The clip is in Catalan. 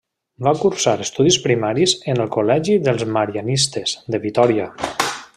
Va cursar estudis primaris en el Col·legi dels Marianistes de Vitòria.